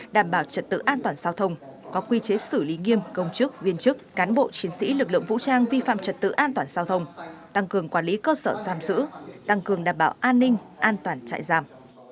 đảm bảo trật tự an toàn giao thông có quy chế xử lý nghiêm công chức viên chức cán bộ chiến sĩ lực lượng vũ trang vi phạm trật tự an toàn giao thông tăng cường quản lý cơ sở giam sử tăng cường đảm bảo an ninh an toàn chạy giam